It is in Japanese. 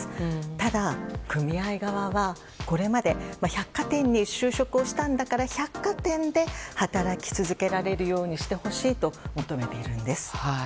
ただ、組合側はこれまで百貨店に就職をしたんだから百貨店で働き続けられるようにしてほしいと求めているんです。